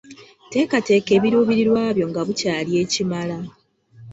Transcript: Teekateeka ebiruubirirwa byo nga bukyali ekimala.